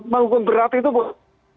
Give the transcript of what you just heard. menghukum berat itu buat